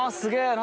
何？